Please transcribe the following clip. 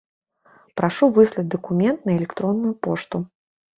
Прашу выслаць дакумент на электронную пошту.